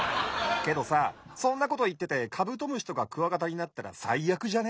けどさそんなこといっててカブトムシとかクワガタになったらさいあくじゃね？